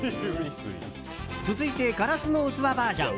続いて、ガラスの器バージョン。